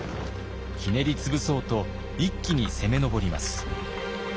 ひねり潰そうと一気に攻め上ります。